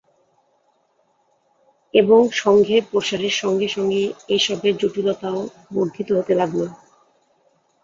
এবং সঙ্ঘের প্রসারের সঙ্গে সঙ্গে এ-সবের জটিলতাও বর্ধিত হতে লাগল।